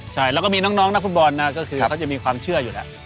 ใช่แล้วก็มีน้องนักฟุตบอลนะก็คือเขาจะมีความเชื่ออยู่แล้ว